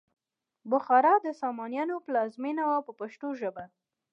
بخارا د سامانیانو پلازمینه وه په پښتو ژبه.